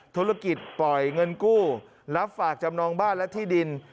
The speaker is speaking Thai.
ธุรกิจปล่อยเงินกู้รับฝากจำนองบ้านและที่ดิน